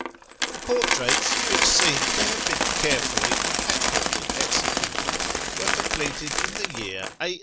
The portraits, which seem to have been carefully and accurately executed, were completed in the year a.